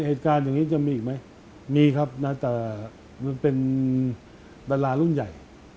เหตุการณ์อย่างนี้จะมีอีกไหมมีครับนะแต่มันเป็นดารารุ่นใหญ่